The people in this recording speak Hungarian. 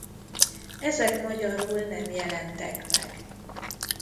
Ezek magyarul nem jelentek meg.